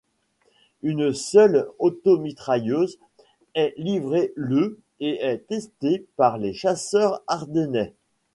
Une seule automitrailleuse est livrée le et est testé par les chasseurs ardennais.